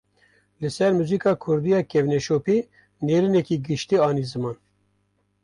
Li ser muzika Kurdî ya kevneşopî, nêrîneke giştî anî ziman